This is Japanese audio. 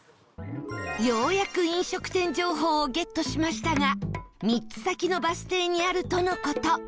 ようやく飲食店情報をゲットしましたが３つ先のバス停にあるとの事